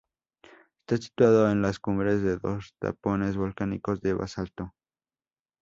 Está situado en las cumbres de dos tapones volcánicos de basalto.